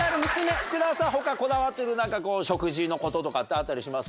福田さん他こだわってる食事のこととかってあったりします？